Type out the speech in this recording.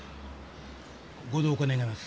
ご同行願います。